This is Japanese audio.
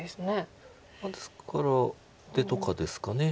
ですから出とかですか。